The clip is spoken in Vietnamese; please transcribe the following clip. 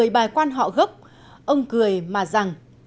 bài quan họ gốc ông cười mà rằng